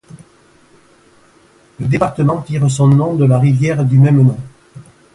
Le département tire son nom de la rivière du même nom.